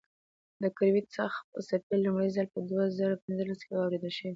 د ګرویتي څپې لومړی ځل په دوه زره پنځلس کې واورېدل شوې.